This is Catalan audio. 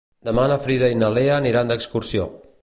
Demà na Frida i na Lea aniran d'excursió.